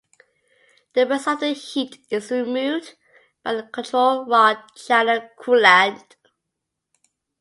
The rest of the heat is removed by the control rod channel coolant.